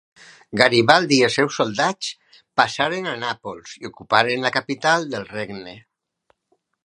Garibaldi i els seus soldats passaren a Nàpols i ocuparen la capital del regne.